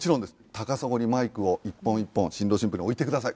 高砂にマイクを一本一本新郎新婦に置いてください。